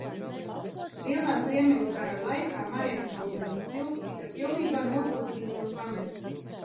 Lielā Ziemeļu kara laikā Marienhauzenas pils tika pilnīgi nopostīta un pamesta.